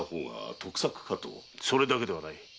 それだけではない。